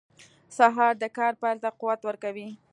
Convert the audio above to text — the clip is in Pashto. سهار د کار پیل ته قوت ورکوي.